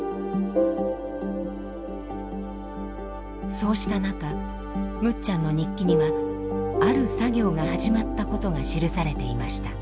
そうした中むっちゃんの日記にはある作業が始まったことが記されていました。